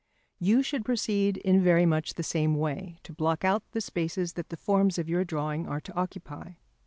You should proceed in very much the same way to block out the spaces that the forms of your drawing are to occupy.